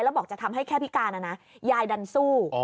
แล้วบอกจะทำให้แค่พิการนะนะยายดันสู้